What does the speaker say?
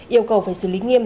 yêu cầu phải xử lý nghiêm